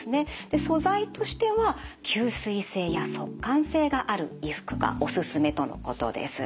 素材としては吸水性や速乾性がある衣服がおすすめとのことです。